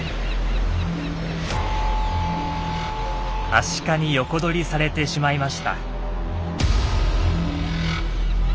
アシカに横取りされてしまいました。